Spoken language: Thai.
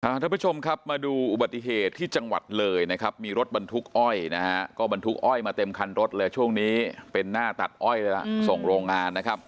ท่านผู้ชมครับมาดูอุบัติเหตุที่จังหวัดเลยนะครับมีรถบรรทุกอ้อยนะฮะก็บรรทุกอ้อยมาเต็มคันรถเลยช่วงนี้เป็นหน้าตัดอ้อยเลยล่ะส่งโรงงานนะครับ